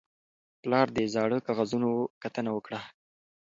پلار د زاړه کاغذونو کتنه وکړه